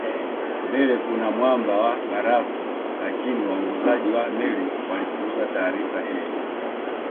Mbele kuna mwamba wa barafu lakini waongozaji wa meli walipuuza taarifa hizo